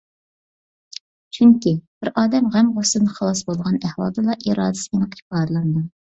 چۈنكى، بىر ئادەم غەم ـ غۇسسىدىن خالاس بولغان ئەھۋالدىلا ئىرادىسى ئېنىق ئىپادىلىنىدۇ.